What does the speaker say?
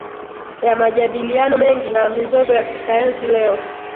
ya majadiliano mengi na mizozo ya kisayansi leo